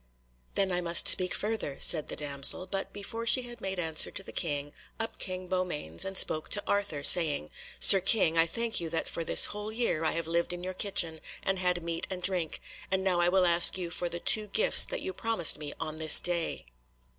"Then I must speak further," said the damsel. But before she had made answer to the King up came Beaumains, and spoke to Arthur, saying, "Sir King, I thank you that for this whole year I have lived in your kitchen, and had meat and drink, and now I will ask you for the two gifts that you promised me on this day."